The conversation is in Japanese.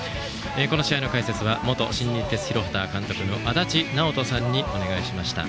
この試合の解説は元新日鉄広畑監督の足達尚人さんにお願いしました。